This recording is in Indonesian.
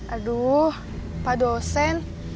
aduh pak dosen